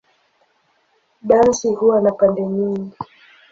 Dansi huwa na pande nyingi.